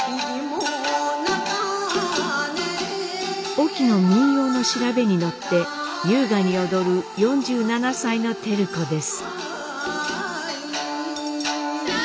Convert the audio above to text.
隠岐の民謡の調べに乗って優雅に踊る４７歳の照子です。